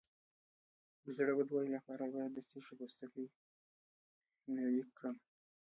د زړه بدوالي لپاره باید د څه شي پوستکی بوی کړم؟